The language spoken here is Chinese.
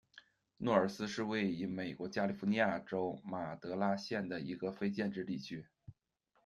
诺尔斯是位于美国加利福尼亚州马德拉县的一个非建制地区。